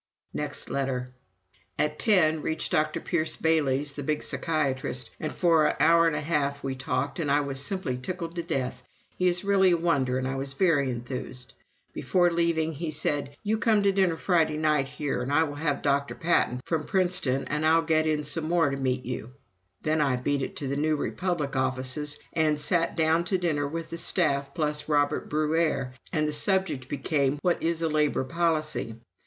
Next letter: "At ten reached Dr. Pierce Bailey's, the big psychiatrist, and for an hour and a half we talked, and I was simply tickled to death. He is really a wonder and I was very enthused. ... Before leaving he said: 'You come to dinner Friday night here and I will have Dr. Paton from Princeton and I'll get in some more to meet you.' ... Then I beat it to the 'New Republic' offices, and sat down to dinner with the staff plus Robert Bruère, and the subject became 'What is a labor policy?'